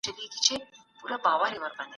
دوی به د اسلام بیرغ پورته کوي.